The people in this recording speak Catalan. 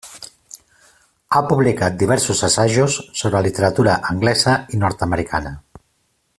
Ha publicat diversos assajos sobre literatura anglesa i nord-americana.